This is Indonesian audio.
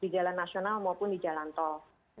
di jalan nasional maupun di jalan tol